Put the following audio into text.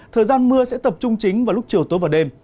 thời gian mưa sẽ tập trung chính vào lúc chiều tối và đêm